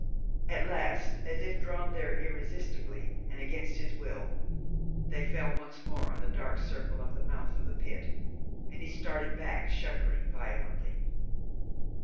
At last, as if drawn there irresistibly and against his will, they fell once more on the dark circle of the mouth of the pit, and he started back, shuddering violently.